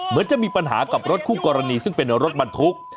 จะมีปัญหากับรถคู่กรณีซึ่งเป็นรถบรรทุก